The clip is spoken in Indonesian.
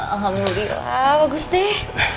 alhamdulillah bagus deh